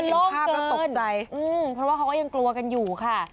มันโล่งเกินเพราะว่าเขาก็ยังกลัวกันอยู่ค่ะ